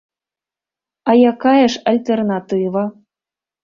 А якая ж альтэрнатыва?